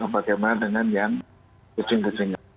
bagaimana dengan yang kucing kucing